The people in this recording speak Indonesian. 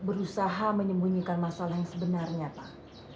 berusaha menyembunyikan masalah yang sebenarnya pak